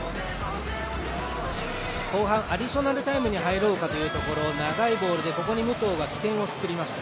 後半アディショナルタイムに入ろうかというところ長いボールで武藤が起点を作りました。